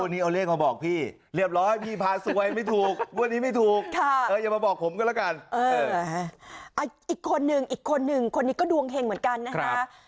นี่อย่าบอกผมก็แล้วกันอีกคนหนึ่งอีกคนหนึ่งคนนี้ก็ดวงเงินเหมือนกันนะฮะ